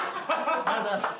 ありがとうございます。